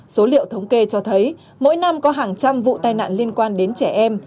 số liệu thống kê cho thấy mỗi năm có hàng trăm vụ tai nạn liên quan đến trẻ em